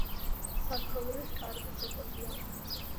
საქონლის კარგი საკვებია.